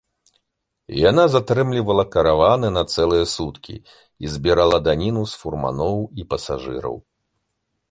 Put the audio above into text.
Яна затрымлівала караваны на цэлыя суткі і збірала даніну з фурманоў і пасажыраў.